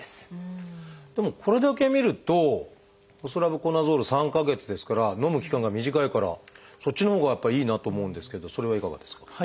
でもこれだけ見るとホスラブコナゾール３か月ですからのむ期間が短いからそっちのほうがやっぱりいいなと思うんですけどそれはいかがですか？